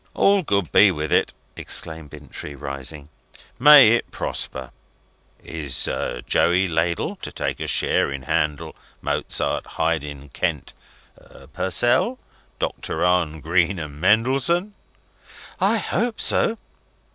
"All good be with it!" exclaimed Bintrey, rising. "May it prosper! Is Joey Ladle to take a share in Handel, Mozart, Haydn, Kent, Purcell, Doctor Arne, Greene, and Mendelssohn? "I hope so."